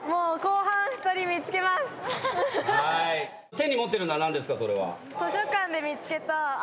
手に持ってるのは何ですか？